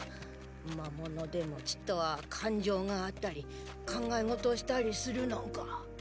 魔物でもちっとは感情があったり考え事をしたりするのんか？